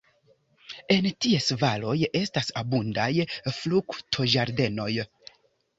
En ties valoj estas abundaj fruktoĝardenoj.